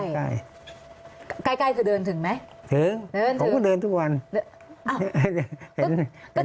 ใกล้คือเดินถึงไหมเดินถึงผมก็เดินทุกวัน